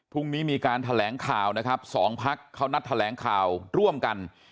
พรุ่งนี้มีการแถลงข่าวนะครับสองพักเขานัดแถลงข่าวร่วมกัน